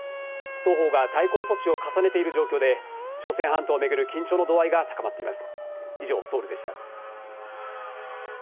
双方が対抗措置を重ねている状況で、朝鮮半島を巡る緊張の度合いが高まっています。